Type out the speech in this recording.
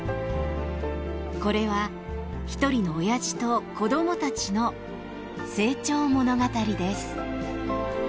これは一人のオヤジと子どもたちの成長物語です。